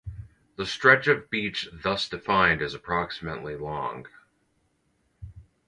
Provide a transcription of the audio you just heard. The stretch of beach thus defined is approximately long.